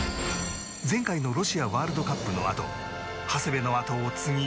前回のロシアワールドカップのあと長谷部の後を継ぎ